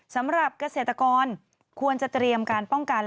สำหรับเกษตรกรควรจะเตรียมการป้องกัน